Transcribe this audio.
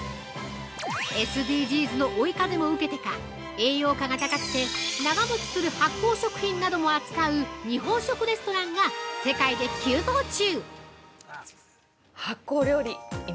ＳＤＧｓの追い風も受けてか栄養価が高くて、長もちする発酵食品なども扱う日本食レストランが世界で急増中。